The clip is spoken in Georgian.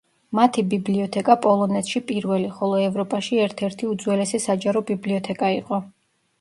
მათი ბიბლიოთეკა პოლონეთში პირველი, ხოლო ევროპაში ერთ-ერთი უძველესი საჯარო ბიბლიოთეკა იყო.